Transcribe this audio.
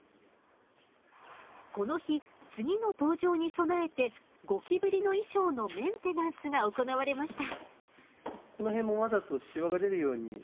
この日次の登場に備えてゴキブリの衣装のメンテナンスが行われました。